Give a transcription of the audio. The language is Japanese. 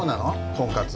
婚活